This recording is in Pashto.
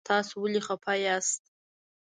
تاسو ولې خفه یاست؟